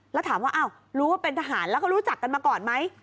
แล้วถามว่าอ้าวรู้ว่าเป็นทหารแล้วก็รู้จักกันมาก่อนไหม